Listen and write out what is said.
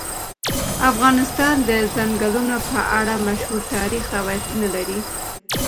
افغانستان د ځنګلونه په اړه مشهور تاریخی روایتونه لري.